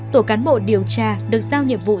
tổ cán bộ điều tra được giao nhiệm vụ